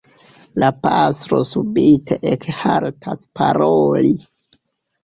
La pastro subite ekhaltas paroli.